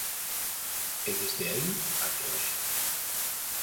E desde aí até hoxe.